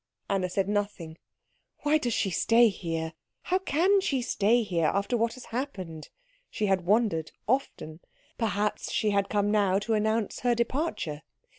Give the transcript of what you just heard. Anna said nothing. "Why does she stay here? How can she stay here, after what has happened?" she had wondered often. Perhaps she had come now to announce her departure.